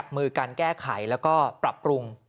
บริการแก้ไขและปรับปรุง